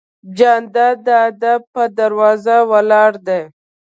جانداد د ادب په دروازه ولاړ دی.